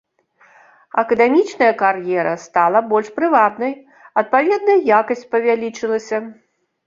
Акадэмічная кар'ера стала больш прывабнай, адпаведна, і якасць павялічылася.